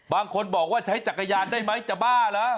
บางคนบอกว่าใช้จักรยานได้ไหมจะบ้าเหรอ